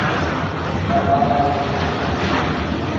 তার বাবা একজন নির্মাতা।